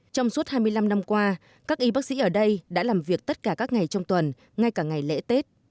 trong suốt hai mươi năm năm qua các y bác sĩ ở đây đã làm việc tất cả các ngày trong tuần ngay cả ngày lễ tết